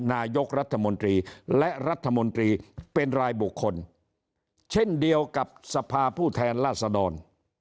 นายกรัฐมนตรีและรัฐมนตรีเป็นรายบุคคลเช่นเดียวกับสภาผู้แทนราษดร